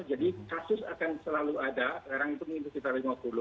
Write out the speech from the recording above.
jadi kasus akan selalu ada sekarang itu mungkin sekitar lima puluh